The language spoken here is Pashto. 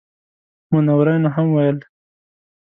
منورینو هم ویل.